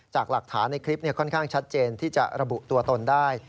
จากหลักฐานในคลิปค่อนข้างชัดเจนที่จะระบุตัวตนได้